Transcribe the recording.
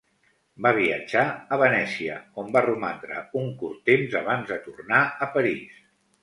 Va viatjar a Venècia, on va romandre un curt temps abans de tornar a París.